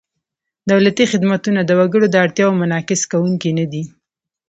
دولتي خدمتونه د وګړو د اړتیاوو منعکس کوونکي نهدي.